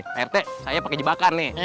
prt saya pakai jebakan nih